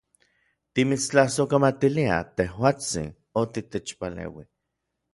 Timitstlasojkamatiliaj, tejuatsin, otitechpaleui.